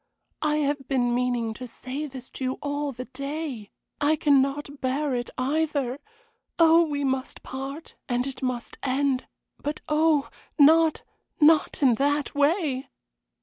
I have been meaning to say this to you all the day. I cannot bear it either. Oh, we must part, and it must end; but oh, not not in that way!"